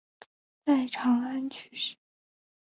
在长安去世。